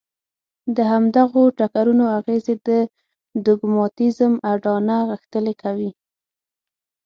د همدغو ټکرونو اغېزې د دوګماتېزم اډانه غښتلې کوي.